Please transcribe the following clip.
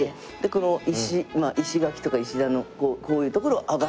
この石垣とか石段のこういう所を上がっていくんです。